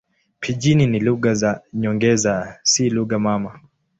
Pijini ni lugha za nyongeza, si lugha mama.